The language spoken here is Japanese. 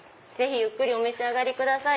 ゆっくりお召し上がりください。